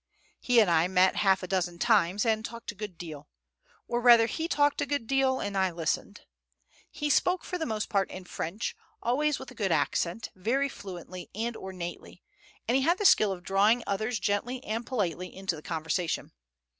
He and I met half a dozen times, and talked a good deal; or, rather, he talked a good deal, and I listened. He spoke for the most part in French, always with a good accent, very fluently and ornately; and he had the skill of drawing others gently and politely into the conversation.